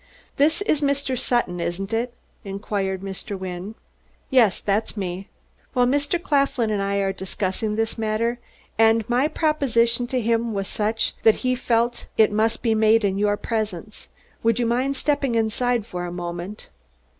"This is Mr. Sutton, isn't it?" inquired Mr. Wynne. "Yes, that's me." "Well, Mr. Claflin and I are discussing this matter, and my proposition to him was such that he felt if must be made in your presence. Would you mind stepping inside for a moment?"